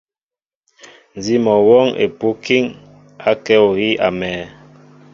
Nzi mol awɔŋ epum akiŋ, akɛ ohii amɛɛ.